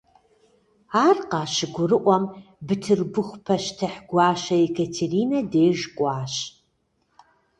Ар къащыгурыӀуэм, Бытырбыху пащтыхь гуащэ Екатеринэ деж кӀуащ.